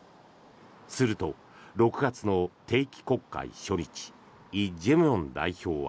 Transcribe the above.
すると、６月の定期国会初日イ・ジェミョン代表は。